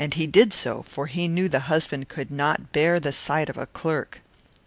He did so, for he knew her husband could not endure the sight of a sexton.